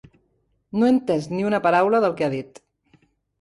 No he entès ni una paraula del que ha dit.